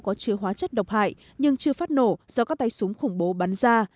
có chứa hóa chất độc hại nhưng chưa phát nổ do các tay súng khủng bố bắn ra